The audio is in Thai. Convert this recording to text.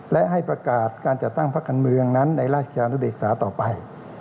และให้ประกาศการจัดตั้งพักการเมืองนั้นในราชยานุเบกษาต่อไป